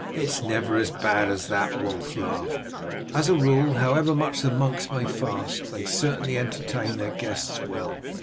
"It is never so bad as that," Wulf laughed; "as a rule, however much the monks may fast, they entertain their guests well."